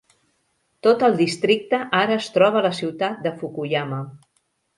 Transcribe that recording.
Tot el districte ara es troba a la ciutat de Fukuyama.